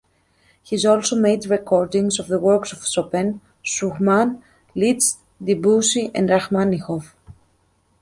He also made recordings of the works of Chopin, Schumann, Liszt, Debussy and Rachmaninov.